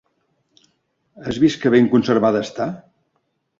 Has vist que ben conservada està?